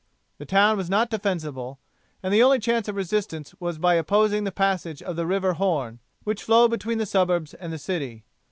The town was not defensible, and the only chance of resistance was by opposing the passage of the river Horn, which flowed between the suburbs and the city.